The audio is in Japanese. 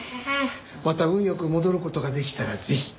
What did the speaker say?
また運良く戻る事ができたらぜひ。